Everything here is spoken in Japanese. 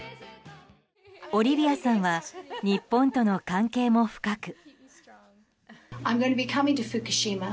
オリビアさんは日本との関係も深く。